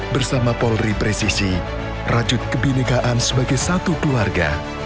bersama polri presisi rajut kebinekaan sebagai satu keluarga